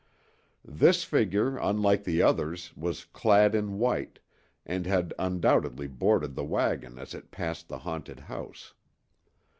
This figure, unlike the others, was clad in white, and had undoubtedly boarded the wagon as it passed the haunted house.